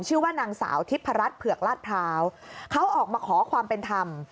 ชื่อว่านางสาวทิพรัชเผือกลาดพร้าวเขาออกมาขอความเป็นธรรม